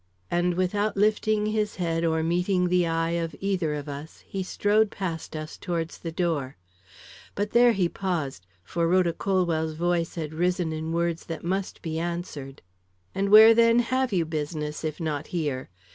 And, without lifting his head or meeting the eye of either of us, he strode past us towards the door. But there he paused, for Rhoda Colwell's voice had risen in words that must be answered. "And where, then, have you business if not here?